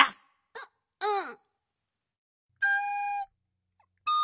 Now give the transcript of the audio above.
ううん。